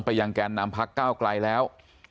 ไปยังแกนนำภักดิ์ก้าวกลายแล้ว